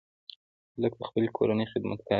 هلک د خپلې کورنۍ خدمتګار دی.